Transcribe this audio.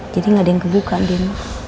jadi gak ada yang kebuka din